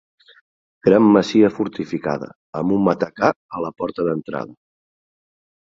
Gran masia fortificada, amb un matacà a la porta d'entrada.